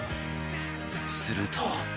すると